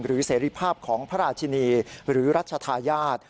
หรือเสรีภาพของพระราชินีหรือรัชทายาท